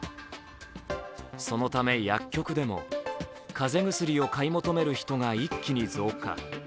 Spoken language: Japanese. そのため薬局でも、風邪薬を買い求める人が一気に増加。